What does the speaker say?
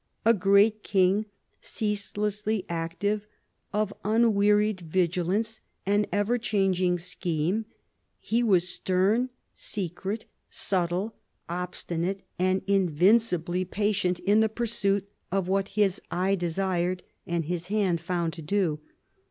A great king, cease lessly active, of unwearied vigilance and ever changing scheme, he was stern, secret, subtle, obstinate, and invincibly patient in the pursuit of what his eye desired and his hand found to do.